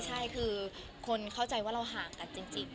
ใช่คือคนเข้าใจว่าเราห่างกันจริง